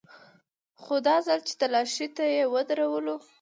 خو دا ځل چې تلاشۍ ته يې ودرولو.